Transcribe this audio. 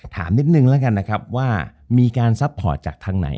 ถามนิดนึงแล้วกันนะครับว่ามีการซัพพอร์ตจากทางไหน